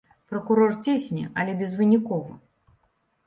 Пракурор цісне, але безвынікова.